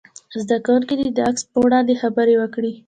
زده کوونکي دې د عکس په وړاندې خبرې وکړي.